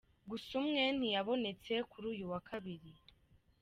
Gusa umwe ntiyabonetse kuri uyu wa Kabiri.